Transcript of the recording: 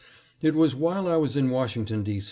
It was while I was in Washington, D.